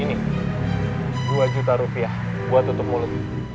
ini dua juta rupiah gue tutup volume